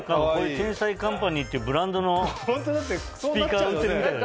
『天才‼カンパニー』っていうブランドのスピーカー売ってるみたい。